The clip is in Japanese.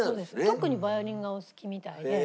特にヴァイオリンがお好きみたいで。